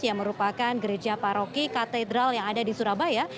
yang merupakan gereja paroki katedral yang ada di surabaya